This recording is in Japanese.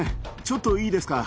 ちょっといいですか？